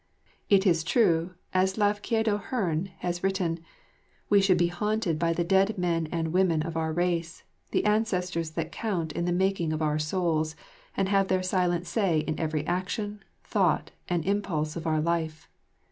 It is true, as Lafcadio Hearn has written, "We should be haunted by the dead men and women of our race, the ancestors that count in the making of our souls and have their silent say in every action, thought and impulse of our life.